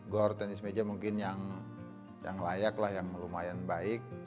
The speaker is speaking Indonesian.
gor tenis meja mungkin yang layak lah yang lumayan baik